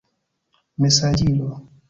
mesaĝilo